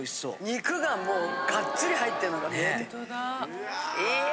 肉がもうがっつり入ってるのが見えて。